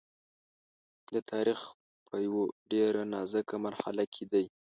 د تاریخ په یوه ډېره نازکه مرحله کې دی.